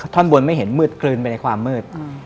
ท่อนบนไม่เห็นมืดกลืนไปในความมืด